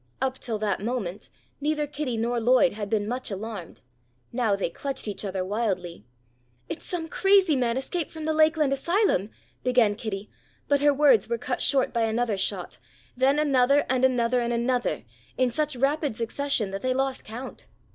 Up till that moment neither Kitty nor Lloyd had been much alarmed. Now they clutched each other wildly. "It's some crazy man escaped from the Lakeland asylum," began Kitty, but her words were cut short by another shot, then another and another and another, in such rapid succession that they lost count.